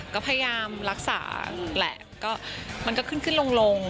ก็พยายามรักษาแหละก็มันก็ขึ้นขึ้นลง